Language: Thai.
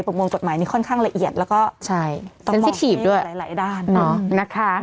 ในกระมวลกฎหมายนี้ค่อนข้างละเอียดแล้วก็ต้องมองให้หลายด้าน